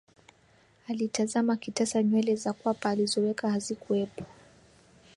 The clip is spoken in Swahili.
Alitazama kitasa nywele za kwapa alizoweka hazikuwepo